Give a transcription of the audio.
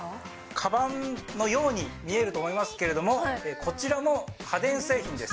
かばんのように見えると思いますけれども、こちらも家電製品です。